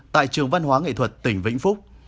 tại trường văn hóa nghệ thuật tỉnh vĩnh phúc